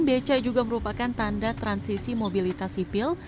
beca juga merupakan tanda transisi mobilitas sipil